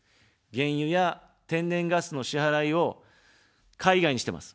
原油や天然ガスの支払いを海外にしてます。